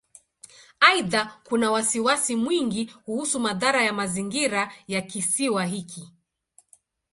Aidha, kuna wasiwasi mwingi kuhusu madhara ya mazingira ya Kisiwa hiki.